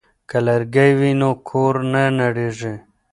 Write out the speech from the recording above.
که لرګی وي نو کور نه نړیږي.